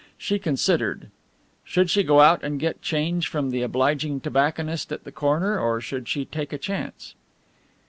She considered. Should she go out and get change from the obliging tobacconist at the corner or should she take a chance?